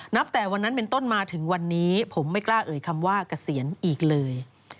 แต่วันนั้นเป็นต้นมาถึงวันนี้ผมไม่กล้าเอ่ยคำว่าเกษียณอีกเลย